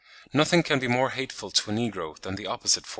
Nothing can be more hateful to a negro than the opposite form."